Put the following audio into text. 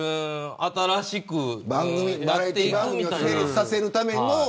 バラエティー番組を成立させるための。